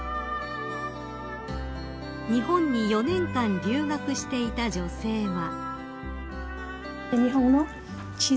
［日本に４年間留学していた女性は］